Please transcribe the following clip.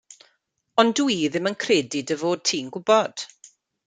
Ond dw i ddim yn credu dy fod ti'n gwybod.